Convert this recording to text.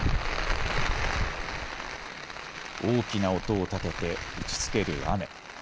大きな音を立てて打ちつける雨。